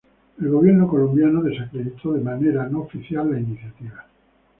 El gobierno colombiano desacreditó de manera no oficial la iniciativa.